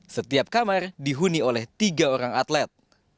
setiap kamar dihuni oleh tiga orang atlet